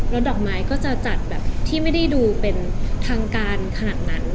แล้วดอกไม้ก็จะจัดแบบที่ไม่ได้ดูเป็นทางการขนาดนั้น